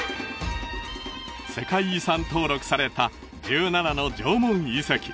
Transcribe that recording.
世界遺産登録された１７の縄文遺跡